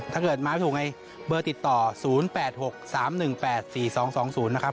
ถ้าเกิดมาไม่ถูกไงเบอร์ติดต่อ๐๘๖๓๑๘๔๒๒๐นะครับ